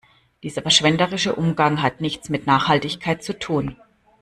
Dieser verschwenderische Umgang hat nichts mit Nachhaltigkeit zu tun.